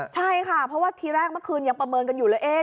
ใช่ค่ะเพราะว่าทีแรกเมื่อคืนยังประเมินกันอยู่เลย